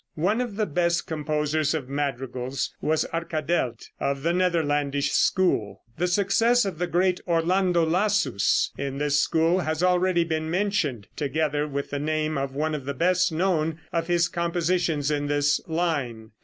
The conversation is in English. One of the best composers of madrigals was Arkadelt, of the Netherlandish school. The success of the great Orlando Lassus in this school has already been mentioned, together with the name of one of the best known of his compositions in this line (p.